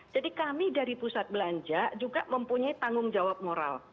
jadi kami dari pusat belanja juga mempunyai tanggung jawab moral